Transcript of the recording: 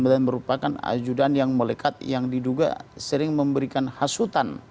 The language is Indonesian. dan merupakan ajudan yang melekat yang diduga sering memberikan hasutan